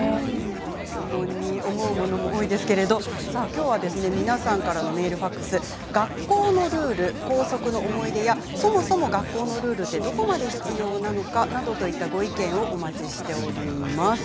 疑問に思うことも多いですが皆さんからのメール、ファックス学校のルール、校則の思い出やそもそも学校のルールってどこまで必要なのかなどといったご意見もお待ちしております。